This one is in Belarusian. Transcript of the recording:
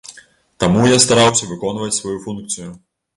Таму я стараўся выконваць сваю функцыю.